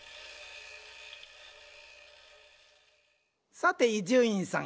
さて伊集院さん。